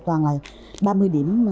toàn là ba mươi điểm